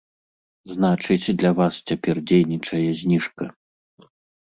Значыць, для вас цяпер дзейнічае зніжка.